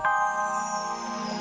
aku sudah selesai mencoba